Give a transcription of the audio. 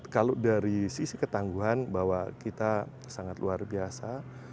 kalau dari sisi ketangguhan bahwa kita sangat luar biasa